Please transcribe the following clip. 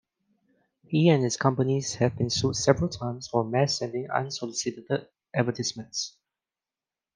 He and his companies have been sued several times for mass sending unsolicited advertisements.